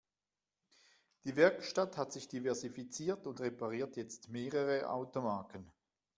Die Werkstatt hat sich diversifiziert und repariert jetzt mehrere Automarken.